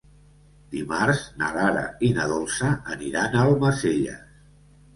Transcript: Dimarts na Lara i na Dolça aniran a Almacelles.